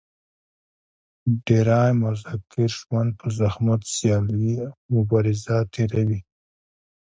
ډېری مذکر ژوند په زحمت سیالي او مبازره تېروي.